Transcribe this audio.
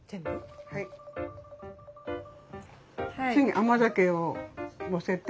次甘酒をのせて。